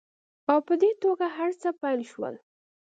او په دې توګه هرڅه پیل شول